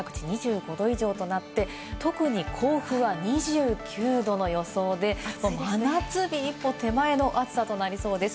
また夏日が東京・２６度、横浜・２６度、各地２５度以上となって、特に甲府は２９度の予想で、もう真夏日一歩手前の暑さとなりそうです。